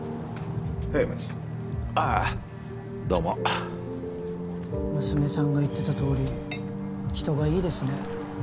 へいお待ちああどうも娘さんが言ってたとおり人がいいですね